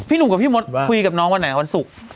หนุ่มกับพี่มดคุยกับน้องวันไหนวันศุกร์